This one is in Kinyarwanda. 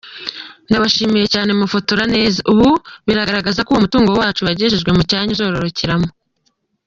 Ndabanshimye cyane mufotora neza, ubu bigaragara ko uwo mutungo wacu wagejejwe mu cyanya uzororokeramo.